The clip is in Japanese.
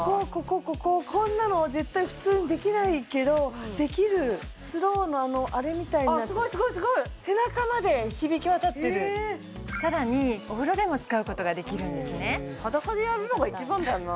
こここここんなの絶対普通できないけどできるスローのあれみたいにあっすごいすごいさらにお風呂でも使うことができるんですね